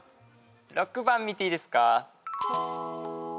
６番見ていいですか？